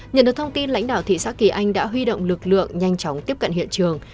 nhận được thông tin lãnh đạo thị xã kỳ anh đã huy động lực lượng nhanh chóng tiếp cận hiện trường